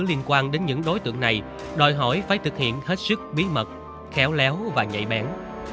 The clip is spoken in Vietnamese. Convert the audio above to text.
liên quan đến những đối tượng này đòi hỏi phải thực hiện hết sức bí mật khéo léo và nhạy bén